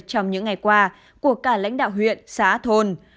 trong những ngày qua của cả lãnh đạo huyện xã thôn